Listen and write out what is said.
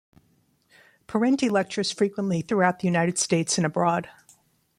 Parenti lectures frequently throughout the United States and abroad.